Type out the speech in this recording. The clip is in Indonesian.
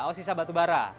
oh batu bara